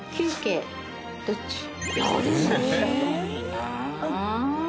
すごいなあ。